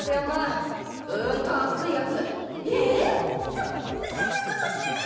そそんなことしてみろ！